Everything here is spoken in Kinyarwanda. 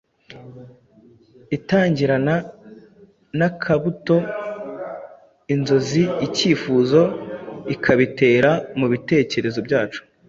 Itangirana n’akabuto, inzozi, icyifuzo ikabitera mu bitekerezo byacu.